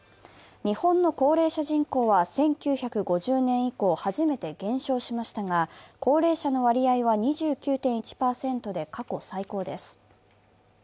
日本の高齢者人口は１９５０年以降初めて減少しましたが、高齢者の割合は２９．１％で過去最高です。